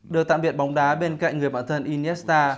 được tạm biệt bóng đá bên cạnh người bản thân iniesta